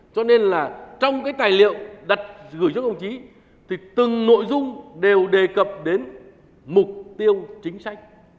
cho nên là trong cái tài liệu đặt gửi cho ông chí thì từng nội dung đều đề cập đến mục tiêu chính sách